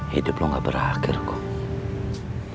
hidup lo gak berakhir kok